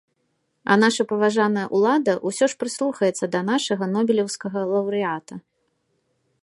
А наша паважаная ўлада ўсё ж прыслухаецца да нашага нобелеўскага лаўрэата.